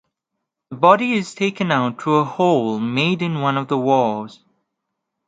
The body is taken out through a hole made in one of the walls.